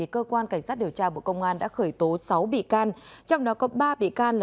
cơ quan cảnh sát điều tra bộ công an đã khởi tố sáu bị can